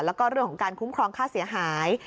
แล้วก็เรื่องของการคุ้มครองค่าเสียหาย